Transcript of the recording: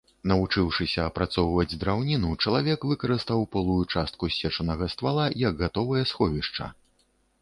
Навучыўшыся апрацоўваць драўніну, чалавек выкарыстаў полую частку ссечанага ствала як гатовае сховішча.